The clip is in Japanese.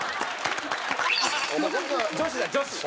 女子だ女子。